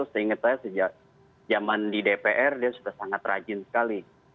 seingat saya sejak zaman di dpr dia sudah sangat rajin sekali